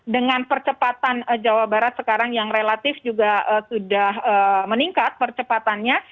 dengan percepatan jawa barat sekarang yang relatif juga sudah meningkat percepatannya